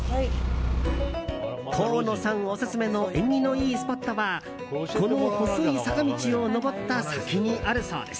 河野さんオススメの縁起のいいスポットはこの細い坂道を上った先にあるそうです。